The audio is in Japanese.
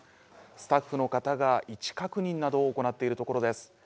スタッフの方が位置確認などを行っているところです。